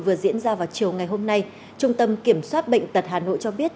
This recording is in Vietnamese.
vừa diễn ra vào chiều ngày hôm nay trung tâm kiểm soát bệnh tật hà nội cho biết